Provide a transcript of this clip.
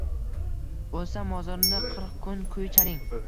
– O’lsam, mozorimda qirq kun kuy chaling…